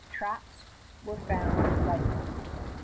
Traps were found rifled.